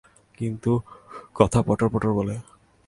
কিন্তু কথা পটর পটর বলে।